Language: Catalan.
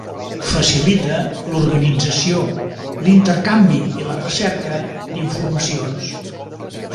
Facilita l'organització, l’intercanvi i la cerca d’informacions.